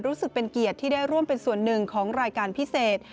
รู้สึกเป็นเกียรติที่ได้ร่วมเป็นส่วนหนึ่งของรายการพิเศษ